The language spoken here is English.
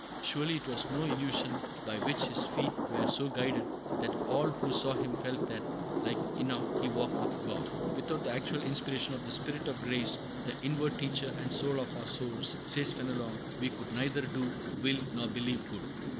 Surely it was no illusion by which his feet were so guided that all who saw him felt that, like Enoch, he walked with God. "Without the actual inspiration of the Spirit of Grace, the inward teacher and soul of our souls," says Fenelon, "we could neither do, will, nor believe good.